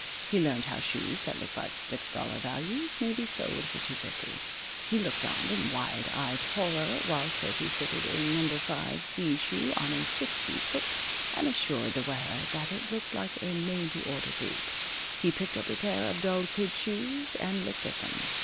He learned how shoes that look like six dollar values may be sold for two fifty. He looked on in wide eyed horror while Sophy fitted a No. 5 C shoe on a 6 B foot and assured the wearer that it looked like a made to order boot. He picked up a pair of dull kid shoes and looked at them.